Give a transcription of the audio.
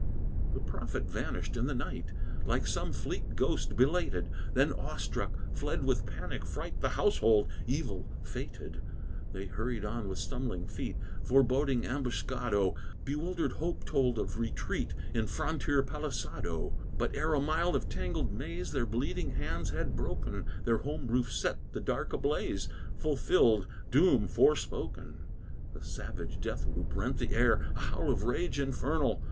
The prophet vanished in the night, Like some fleet ghost belated: Then, awe struck, fled with panic fright The household, evil fated. They hurried on with stumbling feet, Foreboding ambuscado; Bewildered hope told of retreat In frontier palisado. But ere a mile of tangled maze Their bleeding hands had broken, Their home roof set the dark ablaze, Fulfilling doom forespoken. The savage death whoop rent the air! A howl of rage infernal!